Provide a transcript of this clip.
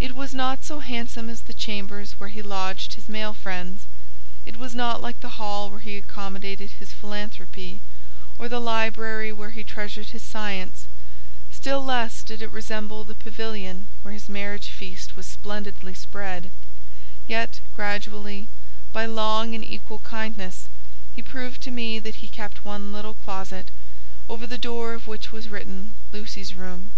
It was not so handsome as the chambers where he lodged his male friends; it was not like the hall where he accommodated his philanthropy, or the library where he treasured his science, still less did it resemble the pavilion where his marriage feast was splendidly spread; yet, gradually, by long and equal kindness, he proved to me that he kept one little closet, over the door of which was written "Lucy's Room."